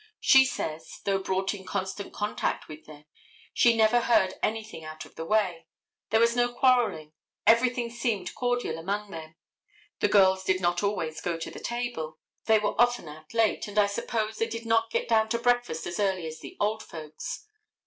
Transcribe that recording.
She says, though brought in constant contact with them, she never heard anything out of the way. There was no quarreling. Everything seemed cordial among them. The girls did not always go to the table. They were often out late, and I suppose they did not get down to breakfast as early as the old folks.